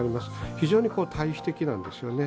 非常に対比的なんですよね。